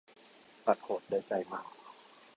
ตัดโหดได้ใจมาก